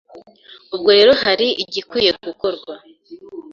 Ubwo rero hari igikwiye gukorwa